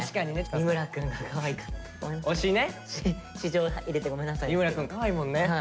三村くんかわいいもんね。